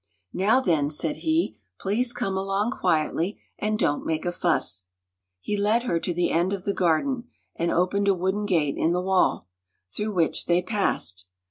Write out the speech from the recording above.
"Now, then," said he, "please come along quietly, and don't make a fuss." He led her to the end of the garden and opened a wooden gate in the wall, through which they passed.